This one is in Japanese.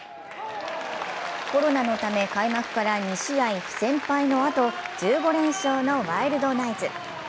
コロナのため開幕から２試合不戦敗のあと、１５連勝のワイルドナイツ。